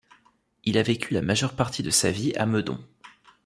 Il a vécu la majeure partie de sa vie à Meudon.